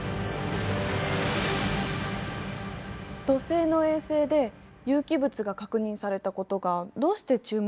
土星の衛星で有機物が確認されたことがどうして注目されたの？